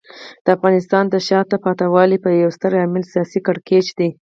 د افغانستان د شاته پاتې والي یو ستر عامل سیاسي کړکېچ دی.